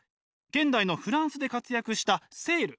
現代のフランスで活躍したセール。